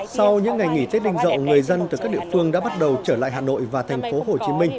sau những ngày nghỉ tết đình dậu người dân từ các địa phương đã bắt đầu trở lại hà nội và thành phố hồ chí minh